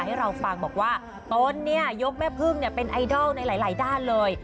ให้เราฟังบอกว่าตนเนี่ยยกแม่พึ่งเป็นไอดอลในหลายด้านเลย